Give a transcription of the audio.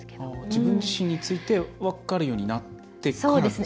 自分自身について分かるようになってからですか？